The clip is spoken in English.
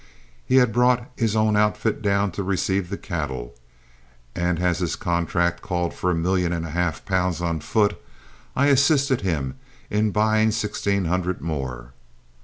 He had brought his own outfit down to receive the cattle, and as his contract called for a million and a half pounds on foot, I assisted him in buying sixteen hundred more.